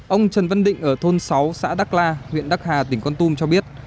ông trần văn định ở thôn sáu xã đắc la huyện đắc hà tỉnh con tum cho biết